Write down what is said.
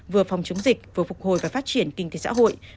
vừa phòng chống dịch vừa phục hồi và phát triển kinh tế xã hội